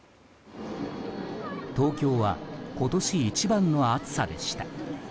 東京は今年一番の暑さでした。